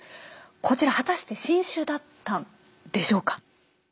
こちら果たして新種だったんでしょうか？